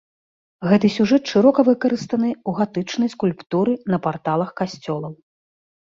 Гэты сюжэт шырока выкарыстаны ў гатычнай скульптуры на парталах касцёлаў.